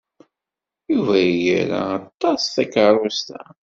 Yuba ira aṭas takeṛṛust-a.